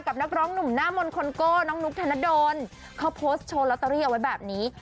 นักร้องหนุ่มหน้ามนต์คอนโก้น้องนุ๊กธนดลเขาโพสต์โชว์ลอตเตอรี่เอาไว้แบบนี้